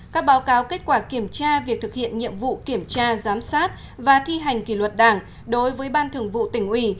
các báo cáo kết quả kiểm tra việc thực hiện nhiệm vụ kiểm tra giám sát và thi hành kỷ luật đảng đối với ban thường vụ tỉnh ủy